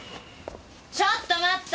ちょっと待った！